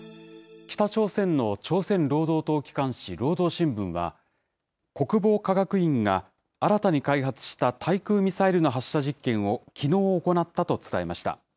北朝鮮の朝鮮労働党機関紙、労働新聞は、国防科学院が新たに開発した対空ミサイルの発射実験をきのう行ったと伝えました。